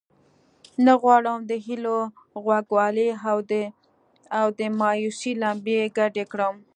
نه غواړم د هیلو خوږوالی او د مایوسۍ لمبې ګډې کړم.